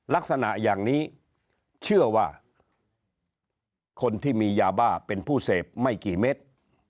ลักษณะอย่างนี้เชื่อว่าคนที่มียาบ้าเป็นผู้เสพไม่กี่เม็ด